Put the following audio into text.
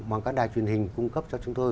bằng các đài truyền hình cung cấp cho chúng tôi